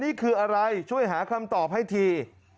นี่คืออะไรช่วยหาคำตอบให้ที